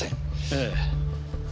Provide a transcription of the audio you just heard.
ええ。